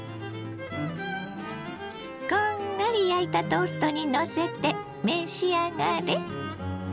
こんがり焼いたトーストにのせて召し上がれ。